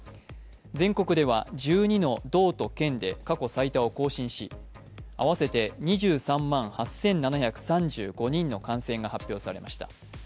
全国では１２の道と県で過去最多を更新し合わせて２３万８７３５人の感染が発表されました。